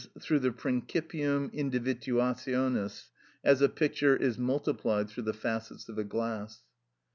_, through the principium individuationis, as a picture is multiplied through the facets of a glass.